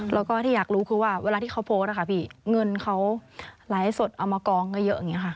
แล้วก็ที่อยากรู้คือว่าเวลาที่เขาโพสต์ค่ะพี่เงินเขาไลฟ์สดเอามากองเยอะอย่างนี้ค่ะ